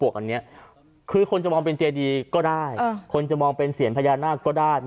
อันนี้คือคนจะมองเป็นเจดีก็ได้คนจะมองเป็นเสียงพญานาคก็ได้